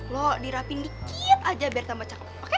lo dirapiin dikit aja biar tambah cakep oke